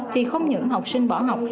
thì không những học sinh bỏ học